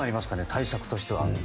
対策としては。